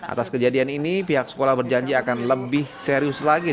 atas kejadian ini pihak sekolah berjanji akan lebih serius lagi